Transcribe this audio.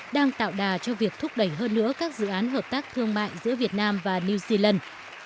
đang tạo đà cho việc thúc đẩy hơn nữa các dự án hợp tác thương mại giữa việt nam và new zealand